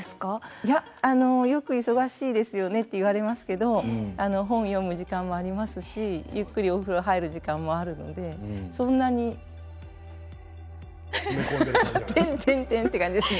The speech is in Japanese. いやよく忙しいですよねって言われますけど本を読む時間もありますしゆっくりお風呂入る時間もあるのでそんなにって感じですね。